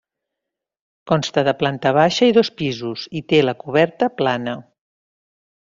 Consta de planta baixa i dos pisos i té la coberta plana.